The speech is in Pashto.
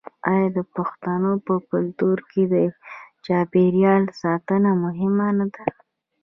آیا د پښتنو په کلتور کې د چاپیریال ساتنه مهمه نه ده؟